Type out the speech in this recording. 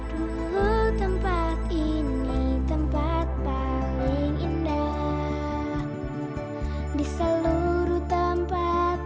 hai l motivate me tempat paling rendah di seluruh tempat